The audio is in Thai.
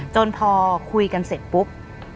จนพอคุยกันเสร็จปุ๊บ